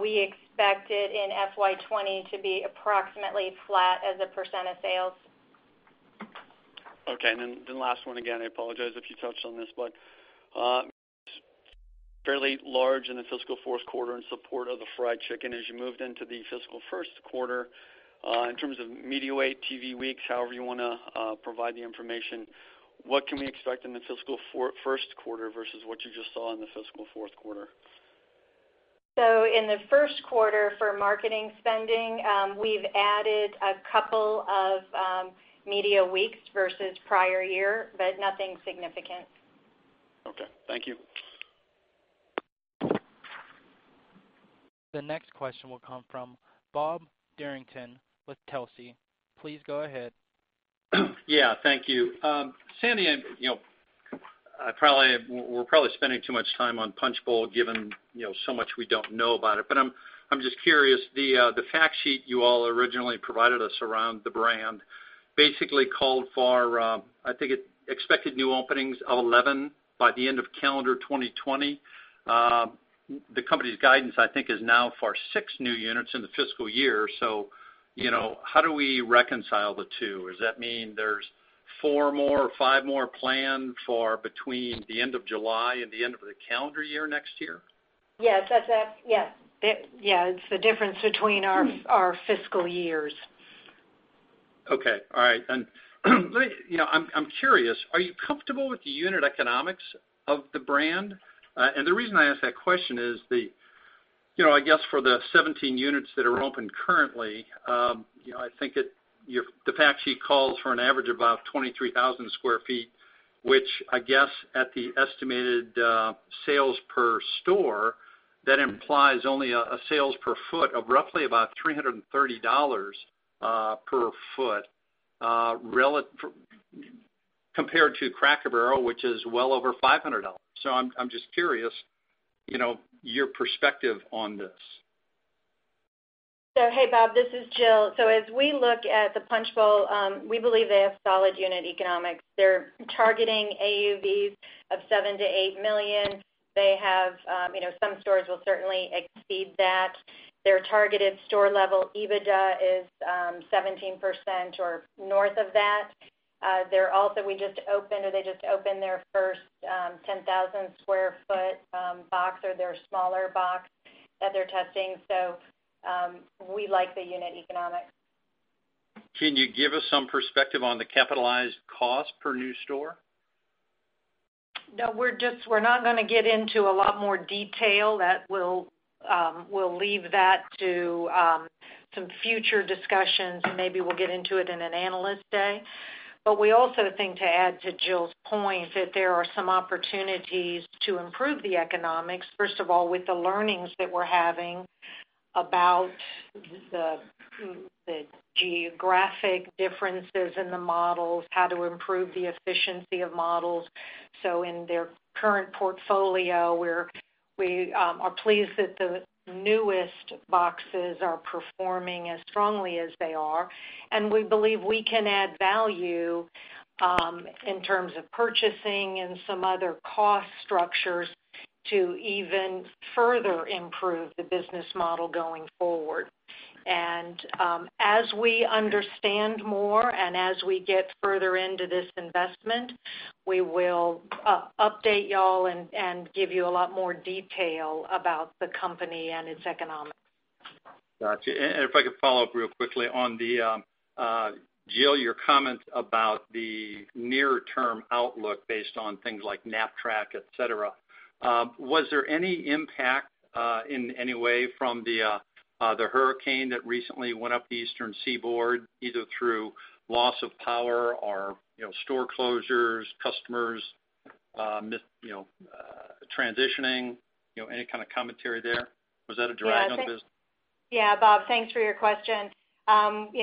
We expect it in FY 2020 to be approximately flat as a % of sales. Okay. The last one, again, I apologize if you touched on this. Fairly large in the fiscal first quarter in support of the fried chicken. As you moved into the fiscal first quarter, in terms of media weight, TV weeks, however you want to provide the information, what can we expect in the fiscal first quarter versus what you just saw in the fiscal fourth quarter? In the first quarter for marketing spending, we've added a couple of media weeks versus prior year, but nothing significant. Okay. Thank you. The next question will come from Bob Derrington with Telsey. Please go ahead. Yeah. Thank you. Sandy, we're probably spending too much time on Punchbowl, given so much we don't know about it. I'm just curious, the fact sheet you all originally provided us around the brand basically called for, I think, expected new openings of 11 by the end of calendar 2020. The company's guidance, I think, is now for six new units in the fiscal year. How do we reconcile the two? Does that mean there's four more or five more planned for between the end of July and the end of the calendar year next year? Yes. It's the difference between our fiscal years. Okay. All right. I'm curious, are you comfortable with the unit economics of the brand? The reason I ask that question is, I guess for the 17 units that are open currently, I think the fact sheet calls for an average about 23,000 sq ft, which I guess at the estimated sales per store, that implies only a sales per foot of roughly about $330 per foot, compared to Cracker Barrel, which is well over $500. I'm just curious, your perspective on this. Hey, Bob. This is Jill. As we look at the Punch Bowl, we believe they have solid unit economics. They're targeting AUV of $7 million-$8 million. Some stores will certainly exceed that. Their targeted store level EBITDA is 17% or north of that. They just opened their first 10,000 sq ft box or their smaller box that they're testing. We like the unit economics. Can you give us some perspective on the capitalized cost per new store? No, we're not going to get into a lot more detail. We'll leave that to some future discussions, and maybe we'll get into it in an analyst day. We also think, to add to Jill's point, that there are some opportunities to improve the economics. First of all, with the learnings that we're having about the geographic differences in the models, how to improve the efficiency of models. In their current portfolio, we are pleased that the newest boxes are performing as strongly as they are, and we believe we can add value in terms of purchasing and some other cost structures to even further improve the business model going forward. As we understand more, and as we get further into this investment, we will update you all and give you a lot more detail about the company and its economics. Got you. If I could follow up real quickly on the, Jill, your comment about the near term outlook based on things like Knapp-Track, et cetera? Was there any impact in any way from the hurricane that recently went up the Eastern Seaboard, either through loss of power or store closures, customers transitioning, any kind of commentary there? Was that a drag on business? Yeah, Bob. Thanks for your question.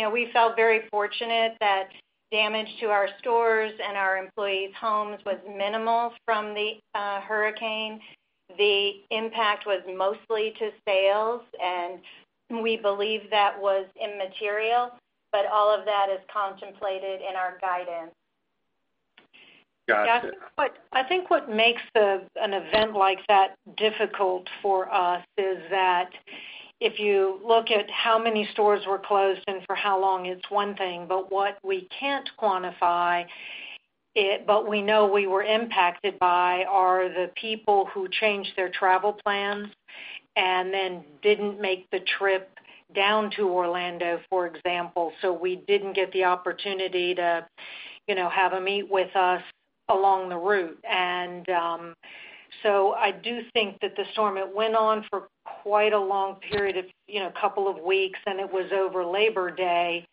We felt very fortunate that damage to our stores and our employees' homes was minimal from the hurricane. The impact was mostly to sales, and we believe that was immaterial, but all of that is contemplated in our guidance. Got you. I think what makes an event like that difficult for us is that if you look at how many stores were closed and for how long, it's one thing. What we can't quantify, but we know we were impacted by, are the people who changed their travel plans and then didn't make the trip down to Orlando, for example. We didn't get the opportunity to have a meet with us along the route. I do think that the storm, it went on for quite a long period of couple of weeks, and it was over Labor Day.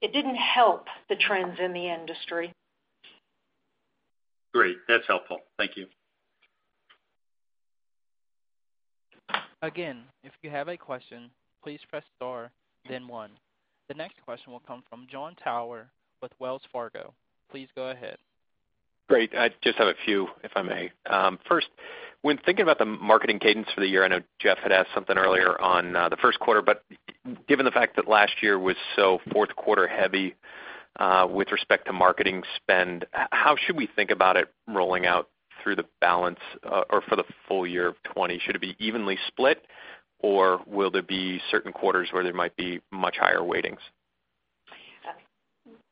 It didn't help the trends in the industry. Great. That's helpful. Thank you. Again, if you have a question, please press star then one. The next question will come from Jon Tower with Wells Fargo. Please go ahead. Great. I just have a few, if I may. First, when thinking about the marketing cadence for the year, I know Jeff had asked something earlier on the first quarter, but given the fact that last year was so fourth quarter heavy with respect to marketing spend, how should we think about it rolling out through the balance or for the full year of 2020? Should it be evenly split, or will there be certain quarters where there might be much higher weightings?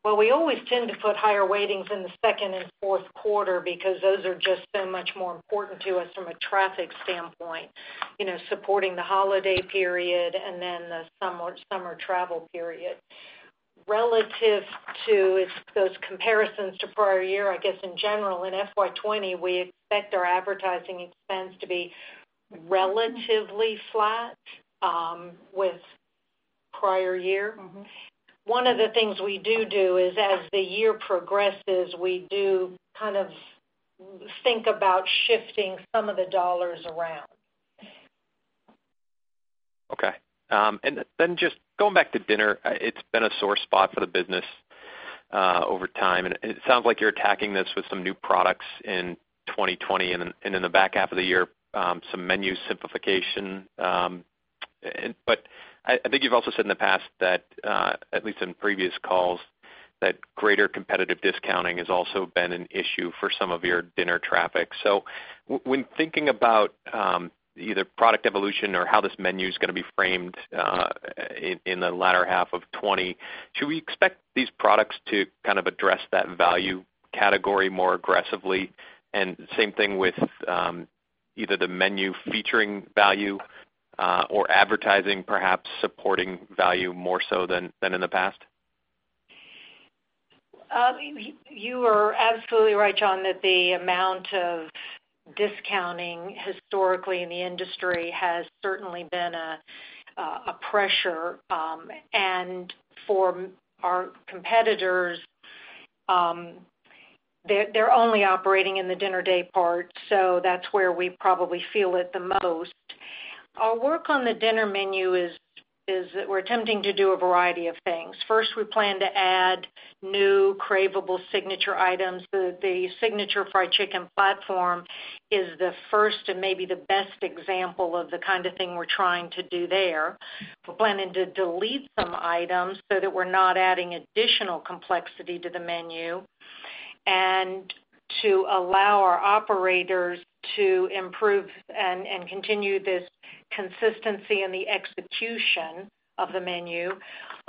Well, we always tend to put higher weightings in the second and fourth quarter because those are just so much more important to us from a traffic standpoint, supporting the holiday period and then the summer travel period. Relative to those comparisons to prior year, I guess in general in FY 2020, we expect our advertising expense to be relatively flat with prior year. One of the things we do is as the year progresses, we do think about shifting some of the dollars around. Okay. Just going back to dinner, it's been a sore spot for the business over time, and it sounds like you're attacking this with some new products in 2020, and in the back half of the year, some menu simplification. I think you've also said in the past that, at least in previous calls, that greater competitive discounting has also been an issue for some of your dinner traffic. When thinking about either product evolution or how this menu is going to be framed in the latter half of 2020, should we expect these products to kind of address that value category more aggressively? Same thing with either the menu featuring value, or advertising perhaps supporting value more so than in the past? You are absolutely right, Jon, that the amount of discounting historically in the industry has certainly been a pressure. For our competitors, they're only operating in the dinner day part, that's where we probably feel it the most. Our work on the dinner menu is we're attempting to do a variety of things. First, we plan to add new craveable signature items. The signature fried chicken platform is the first and maybe the best example of the kind of thing we're trying to do there. We're planning to delete some items so that we're not adding additional complexity to the menu, and to allow our operators to improve and continue this consistency in the execution of the menu.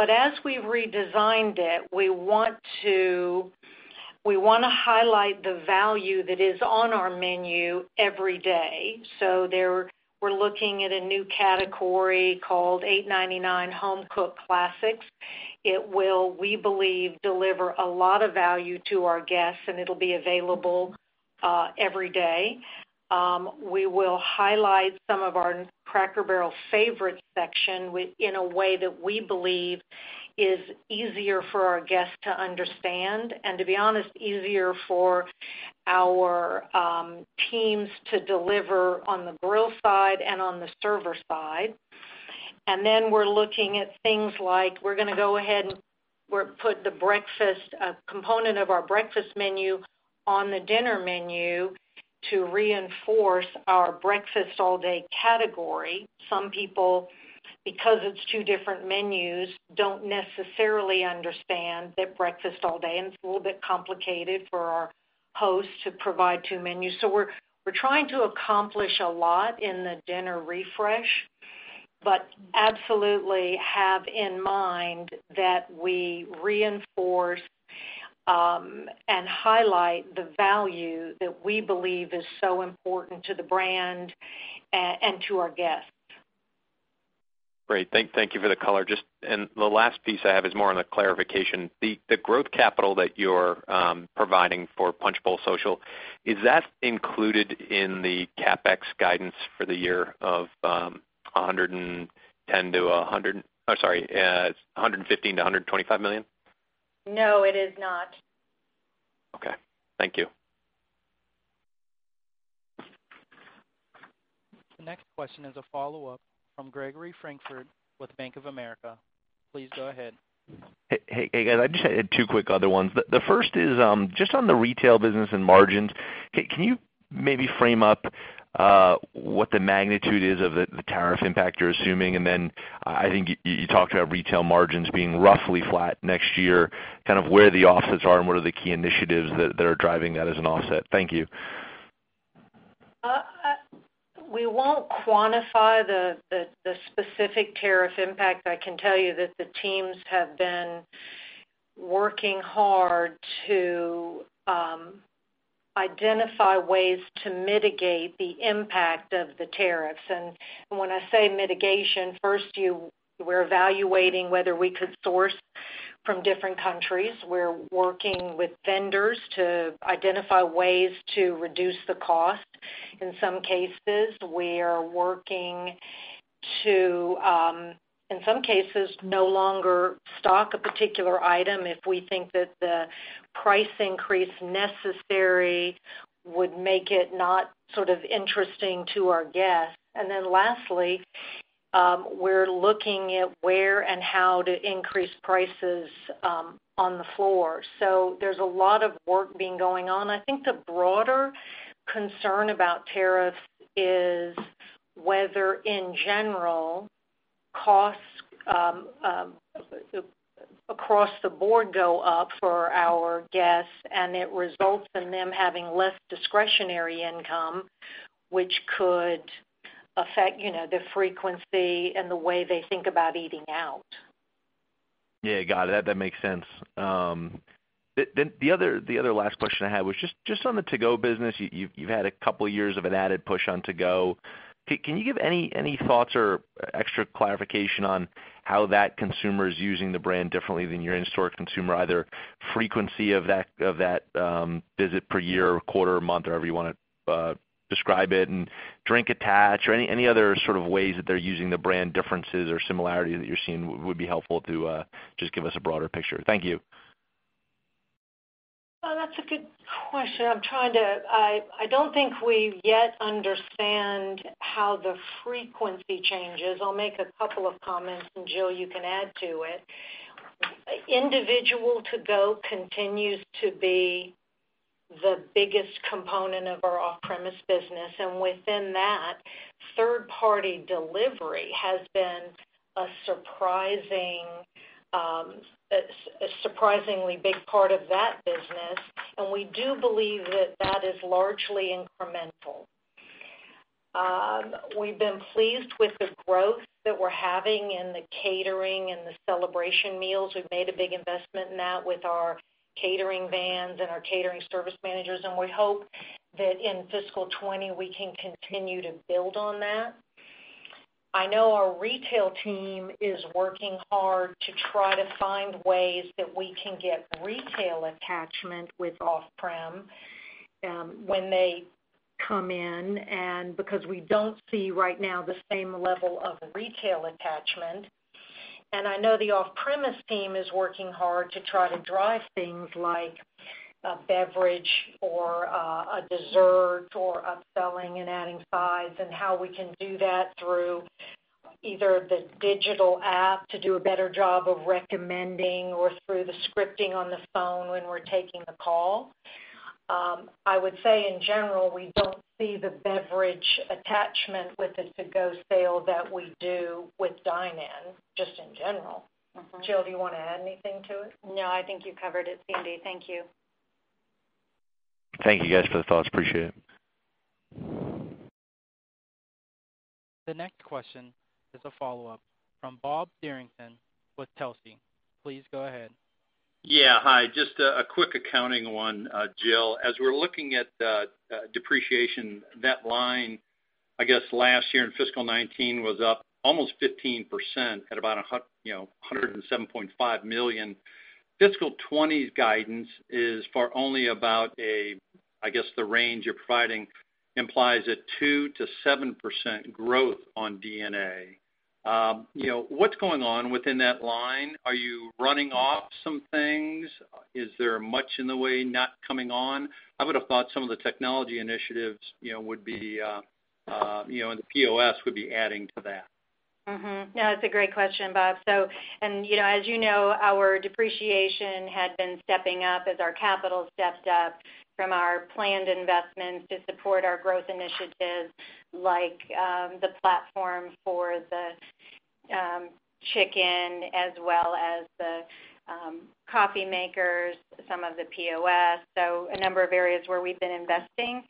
As we've redesigned it, we want to highlight the value that is on our menu every day. There, we're looking at a new category called $8.99 Home Cooked Classics. It will, we believe, deliver a lot of value to our guests, and it'll be available every day. We will highlight some of our Cracker Barrel Favorites section in a way that we believe is easier for our guests to understand and, to be honest, easier for our teams to deliver on the grill side and on the server side. We're looking at things like we're going to go ahead and put a component of our breakfast menu on the dinner menu to reinforce our breakfast all day category. Some people, because it's two different menus, don't necessarily understand that breakfast all day, and it's a little bit complicated for our hosts to provide two menus. We're trying to accomplish a lot in the dinner refresh, but absolutely have in mind that we reinforce and highlight the value that we believe is so important to the brand and to our guests. Great. Thank you for the color. The last piece I have is more on the clarification. The growth capital that you're providing for Punch Bowl Social, is that included in the CapEx guidance for the year of $115 million-$125 million? No, it is not. Okay. Thank you. The next question is a follow-up from Gregory Francfort with Bank of America. Please go ahead. Hey guys, I just had two quick other ones. The first is just on the retail business and margins. Can you maybe frame up what the magnitude is of the tariff impact you're assuming? Then I think you talked about retail margins being roughly flat next year, kind of where the offsets are and what are the key initiatives that are driving that as an offset? Thank you. We won't quantify the specific tariff impact. I can tell you that the teams have been working hard to identify ways to mitigate the impact of the tariffs. When I say mitigation, first, we're evaluating whether we could source from different countries. We're working with vendors to identify ways to reduce the cost. In some cases, we are working to, in some cases, no longer stock a particular item if we think that the price increase necessary would make it not interesting to our guests. Then lastly, we're looking at where and how to increase prices on the floor. There's a lot of work being going on. I think the broader concern about tariffs is whether, in general, costs across the board go up for our guests, and it results in them having less discretionary income, which could affect the frequency and the way they think about eating out. Yeah, got it. That makes sense. The other last question I had was just on the to-go business. You've had a couple of years of an added push on to-go. Can you give any thoughts or extra clarification on how that consumer is using the brand differently than your in-store consumer, either frequency of that visit per year, quarter, month, or however you want to describe it, and drink attach or any other sort of ways that they're using the brand differences or similarities that you're seeing would be helpful to just give us a broader picture. Thank you. That's a good question. I don't think we yet understand how the frequency changes. I'll make a couple of comments, and Jill, you can add to it. Individual to-go continues to be the biggest component of our off-premise business, and within that, third-party delivery has been a surprisingly big part of that business, and we do believe that that is largely incremental. We've been pleased with the growth that we're having in the catering and the celebration meals. We've made a big investment in that with our catering vans and our catering service managers, and we hope that in fiscal 2020, we can continue to build on that. I know our retail team is working hard to try to find ways that we can get retail attachment with off-prem when they come in, and because we don't see right now the same level of retail attachment. I know the off-premise team is working hard to try to drive things like a beverage or a dessert or upselling and adding sides, and how we can do that through either the digital app to do a better job of recommending or through the scripting on the phone when we're taking a call. I would say, in general, we don't see the beverage attachment with the to-go sale that we do with dine-in, just in general. Jill, do you want to add anything to it? No, I think you covered it, Sandy. Thank you. Thank you guys for the thoughts. Appreciate it. The next question is a follow-up from Bob Derrington with Telsey. Please go ahead. Yeah. Hi, just a quick accounting one, Jill. We're looking at depreciation, that line, I guess last year in fiscal 2019 was up almost 15% at about $107.5 million. Fiscal 2020's guidance is for only about a, I guess, the range you're providing implies a 2%-7% growth on D&A. What's going on within that line? Are you running off some things? Is there much in the way not coming on? I would have thought some of the technology initiatives and the POS would be adding to that. It's a great question, Bob. As you know, our depreciation had been stepping up as our capital stepped up from our planned investments to support our growth initiatives like the platform for the chicken as well as the coffee makers, some of the POS, a number of areas where we've been investing.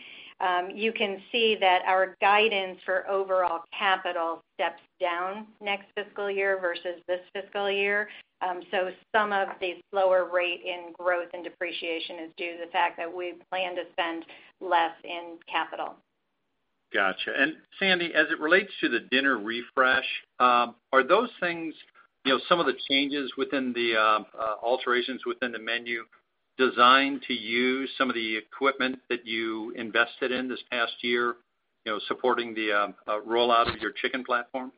You can see that our guidance for overall capital steps down next fiscal year versus this fiscal year. Some of the slower rate in growth and depreciation is due to the fact that we plan to spend less in capital. Got you. Sandy, as it relates to the dinner refresh, are those things, some of the changes within the alterations within the menu designed to use some of the equipment that you invested in this past year supporting the rollout of your chicken platform?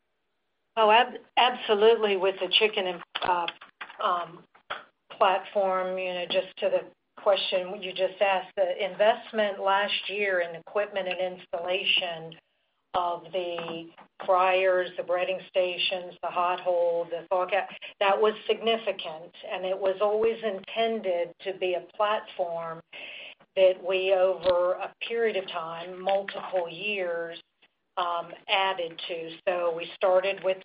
Oh, absolutely with the chicken platform. Just to the question you just asked, the investment last year in equipment and installation of the fryers, the breading stations, the hot hold, the thaw cabinet, that was significant, and it was always intended to be a platform that we over a period of time, multiple years, added to. We started with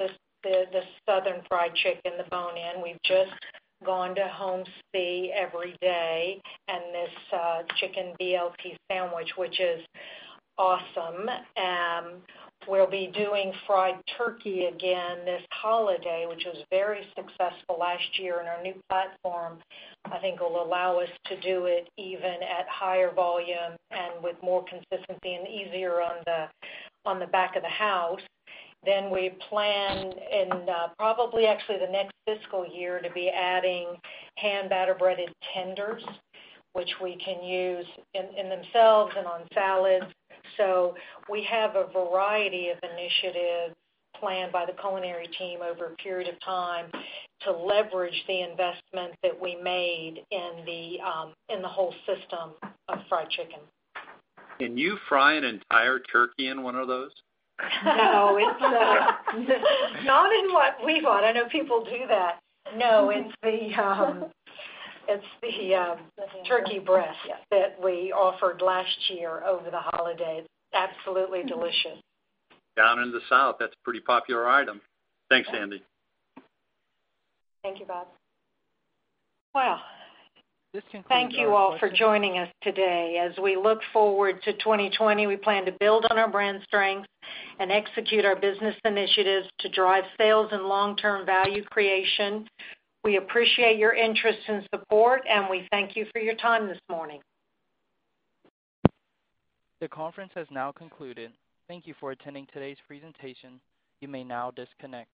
the Southern Fried Chicken, the bone-in. We've just gone to Homestyle every day and this Homestyle Chicken BLT sandwich, which is awesome. We'll be doing fried turkey again this holiday, which was very successful last year, and our new platform, I think, will allow us to do it even at higher volume and with more consistency and easier on the back of the house. We plan in probably actually the next fiscal year to be adding HHand-Battered Tenders, which we can use in themselves and on salads. We have a variety of initiatives planned by the culinary team over a period of time to leverage the investment that we made in the whole system of fried chicken. Can you fry an entire turkey in one of those? No. Not in what we bought. I know people do that. No. It's the turkey breast that we offered last year over the holiday. Absolutely delicious. Down in the South, that's a pretty popular item. Thanks, Sandy. Thank you, Bob. Well- This concludes our question- Thank you all for joining us today. As we look forward to 2020, we plan to build on our brand strength and execute our business initiatives to drive sales and long-term value creation. We appreciate your interest and support, and we thank you for your time this morning. The conference has now concluded. Thank you for attending today's presentation. You may now disconnect.